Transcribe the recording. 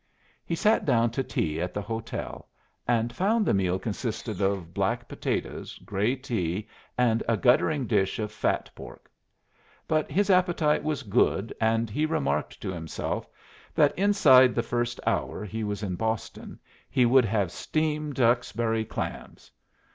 He sat down to tea at the hotel, and found the meal consisted of black potatoes, gray tea, and a guttering dish of fat pork. But his appetite was good, and he remarked to himself that inside the first hour he was in Boston he would have steamed Duxbury clams.